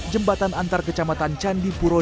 jembatan antar kecamatan candipuro dan pasru jambe